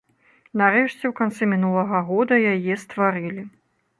Нарэшце, у канцы мінулага года яе стварылі.